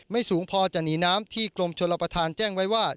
สูงพอจะหนีน้ำที่กรมชลประธานแจ้งไว้ว่า